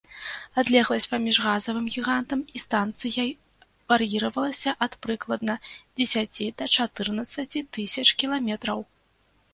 Адлегласць паміж газавым гігантам і станцыяй вар'іравалася ад прыкладна дзесяці да чатырнаццаці тысяч кіламетраў.